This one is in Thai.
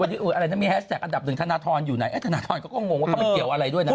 ที่ไหนหนักเดี๋ยวคุณแม่มดจะไปนะคะ